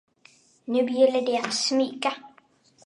Nu gäller det att smyga.